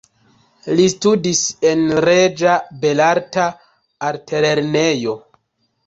Li studis en Reĝa Belarta Altlernejo.